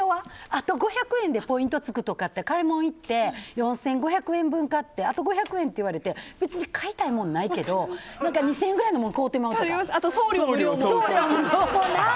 あと５００円でポイントつくとかって買い物行って４５００円分買ってあと５００円っって言われて別に買いたいもんないけど２０００円ぐらいのもの